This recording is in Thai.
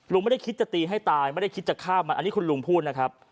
ไม่ได้คิดจะตีให้ตายไม่ได้คิดจะฆ่ามันอันนี้คุณลุงพูดนะครับ